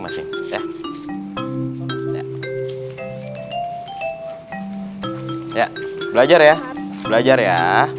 menjajakin belajar ya